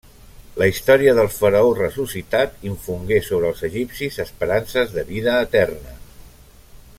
La història del faraó ressuscitat infongué sobre els egipcis esperances de vida eterna.